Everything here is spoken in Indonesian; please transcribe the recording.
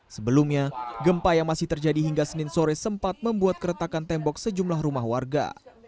sebelumnya gempa yang masih terjadi hingga senin sore sempat membuat keretakan tembok sejumlah rumah warga